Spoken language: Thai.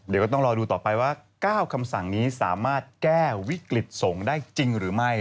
เดี๋ยวก็ต้องรอดูต่อไปว่า๙คำสั่งนี้สามารถแก้วิกฤตส่งได้จริงหรือไม่